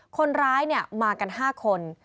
คนร้ายมากัน๕คน